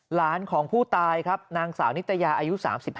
หลานของผู้ตายครับนางสาวนิตยาอายุ๓๕